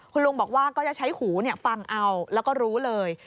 คุณลุงบอกว่าก็จะใช้หูฟังเอาแล้วก็รู้เลย